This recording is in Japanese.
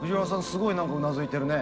すごい何かうなずいてるね。